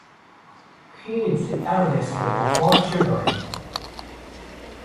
He is the eldest of four children.